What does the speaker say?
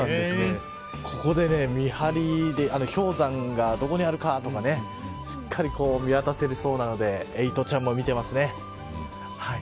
ここで見張り氷山が、どこにあるかとかしっかり見渡せるそうなのでエイトちゃんも見ていますね。